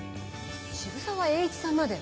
渋沢栄一さんまで。